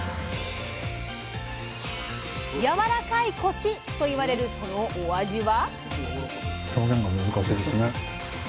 「やわらかいコシ」と言われるそのお味は。